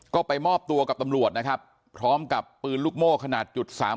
ก็ไปมอบตัวกับตำรวจพร้อมกับปืนลูกโม้ขนาด๓๘